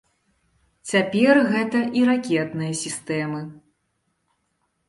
Цяпер гэта і ракетныя сістэмы.